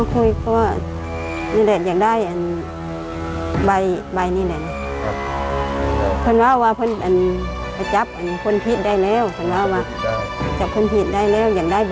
เขามาคุยยังไง